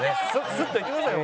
スッといきましょうよ。